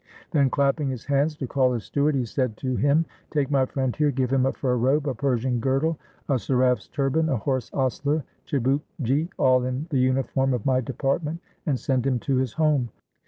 " Then, clapping his hands to call his steward, he said to him, "Take my friend here, give him a fur robe, a Persian girdle, a saraf's turban, a horse, ostler, chibukgi, all in the uniform of my department, and send him to his home."